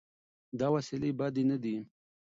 دا وسیلې بدې نه دي.